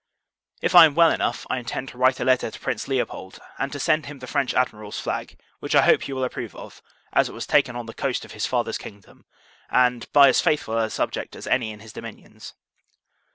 If I am well enough, I intend to write a letter to Prince Leopold, and to send him the French Admiral's flag; which I hope you will approve of, as it was taken on the coast of his father's kingdom, and by as faithful a subject as any in his dominions.